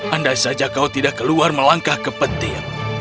andai saja kau tidak keluar melangkah ke petir